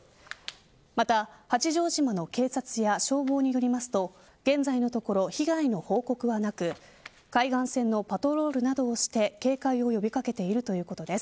また八丈島の警察や消防によりますと現在のところ被害の報告はなく海岸線のパトロールなどをして警戒を呼び掛けているということです。